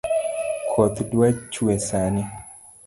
Koth dwa chwee sani